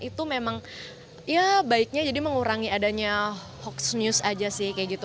itu memang ya baiknya jadi mengurangi adanya hoax news aja sih kayak gitu